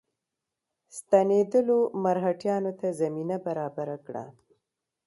ستنېدلو مرهټیانو ته زمینه برابره کړه.